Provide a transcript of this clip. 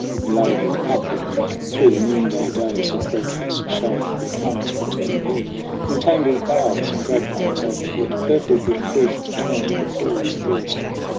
He labored upward through the noonday doze. Of breathless shade, where plums were turning red In tangled bowers, and grapevines overhead Purpled with fruit to taunt the crawler's thirst.